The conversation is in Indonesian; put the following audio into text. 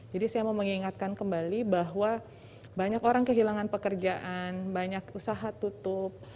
jadi saya mau mengingatkan kembali bahwa banyak orang kehilangan pekerjaan banyak usaha tutup